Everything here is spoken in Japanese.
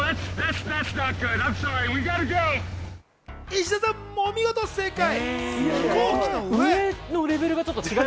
石田さん、お見事正解！